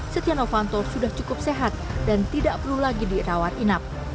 setia novanto sudah cukup sehat dan tidak perlu lagi dirawat inap